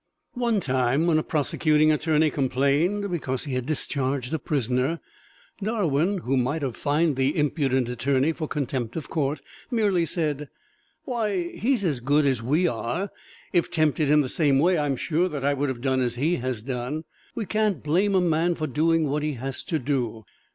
One time, when a prosecuting attorney complained because he had discharged a prisoner, Darwin, who might have fined the impudent attorney for contempt of court, merely said: "Why, he's as good as we are. If tempted in the same way I am sure that I would have done as he has done. We can't blame a man for doing what he has to do!"